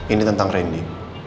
ini tentang randy